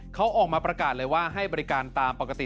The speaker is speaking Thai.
เขาออกมาประกาศเลยว่าให้บริการตามปกติ